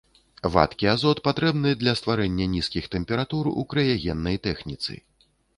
Вадкі азот патрэбны для стварэння нізкіх тэмператур у крыягеннай тэхніцы.